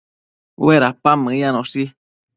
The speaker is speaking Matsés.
Uedapan meyanoshi